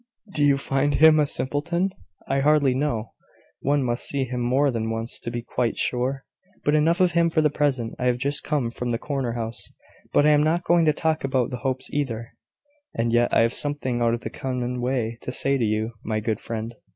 "Do you find him a simpleton?" "I hardly know. One must see him more than once to be quite sure. But enough of him for the present. I have just come from the corner house; but I am not going to talk about the Hopes either: and yet I have something out of the common way to say to you, my good friend."